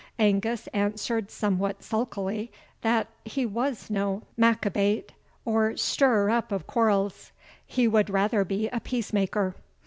Angus answered somewhat sulkily, that "he was no makebate, or stirrer up of quarrels; he would rather be a peacemaker.